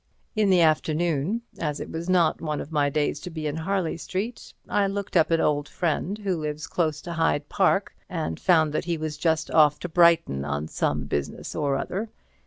In the afternoon, as it was not one of my days to be in Harley Street, I looked up an old friend who lives close to Hyde Park, and found that he was just off to Brighton on some business or other.